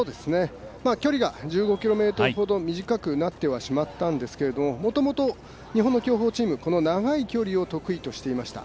距離が１５ｋｍほど短くなってはしまったんですがもともと、日本の競歩チーム長い距離を得意としていました。